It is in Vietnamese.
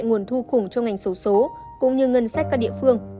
nguồn thu khủng cho ngành sổ số cũng như ngân sách các địa phương